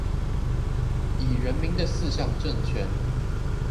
以人民的四項政權